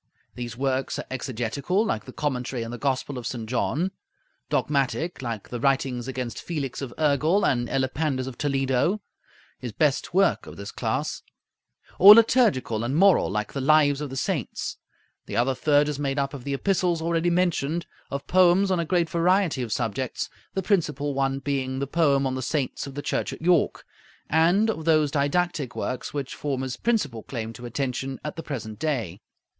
These works are exegetical, like the 'Commentary on the Gospel of St. John'; dogmatic, like the 'Writings against Felix of Urgel and Elipandus of Toledo,' his best work of this class; or liturgical and moral, like the 'Lives of the Saints,' The other third is made up of the epistles, already mentioned; of poems on a great variety of subjects, the principal one being the 'Poem on the Saints of the Church at York'; and of those didactic works which form his principal claim to attention at the present day.